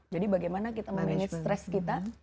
jadi bagaimana kita manage stres kita